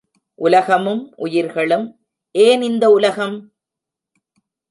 உலகமும் உயிர்களும் ஏன் இந்த உலகம்?